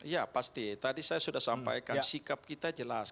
ya pasti tadi saya sudah sampaikan sikap kita jelas